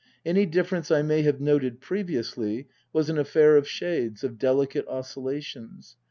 Any difference I may have noted previously was an affair of shades, of delicate oscillations.